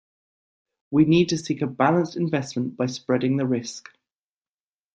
We need to seek a balanced investment by spreading the risk.